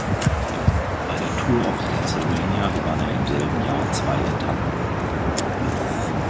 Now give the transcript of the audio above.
Bei der Tour of Pennsylvania gewann er im selben Jahr zwei Etappen.